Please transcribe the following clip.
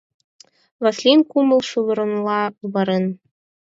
— Васлийын кумыл шӱвыроҥла оварен.